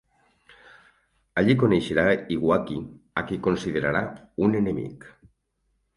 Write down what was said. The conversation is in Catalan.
Allí coneixerà Iwaki a qui considerarà un enemic.